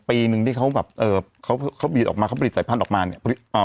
ปีหนึ่งที่เขาแบบเอ่อเขาเขาบีดออกมาเขาผลิตสายพันธุ์ออกมาเนี่ยอ่า